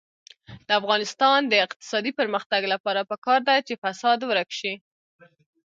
د افغانستان د اقتصادي پرمختګ لپاره پکار ده چې فساد ورک شي.